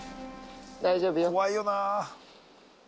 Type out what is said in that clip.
大丈夫よ。